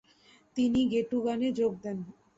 তিনি ঘেটুগানে যোগ দেন।